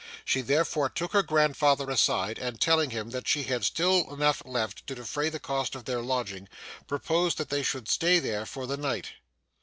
She therefore took her grandfather aside, and telling him that she had still enough left to defray the cost of their lodging, proposed that they should stay there for the night.